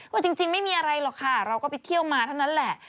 จริงไม่มีอะไรหรอกค่ะเราก็ไปเที่ยวมาเท่านั้นแหละ